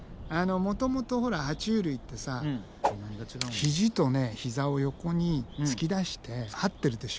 もともとほらは虫類ってさ肘と膝を横に突き出してはってるでしょ。